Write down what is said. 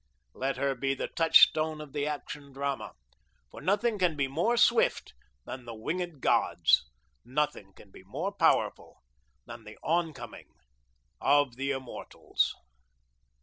Let her be the touchstone of the Action Drama, for nothing can be more swift than the winged Gods, nothing can be more powerful than the oncoming of the immortals.